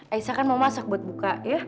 aisyah kan mau masak buat buka